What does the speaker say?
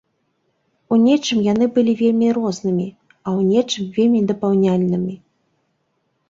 У нечым яны былі вельмі рознымі, а ў нечым вельмі дапаўняльнымі.